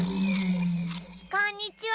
こんにちは。